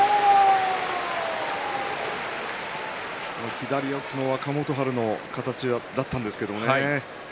左四つの若元春の形だったんですけどね。